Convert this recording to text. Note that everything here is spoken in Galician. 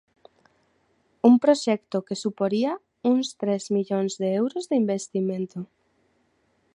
Un proxecto que suporía uns tres millóns de euros de investimento.